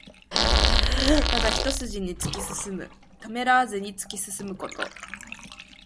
ただ一すじに突き進む。ためらわずに突き進むこと。